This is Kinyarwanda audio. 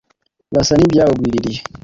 basa n'ibyabagwiriye